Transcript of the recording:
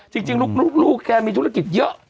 จริงลูกแกมีธุรกิจเยอะ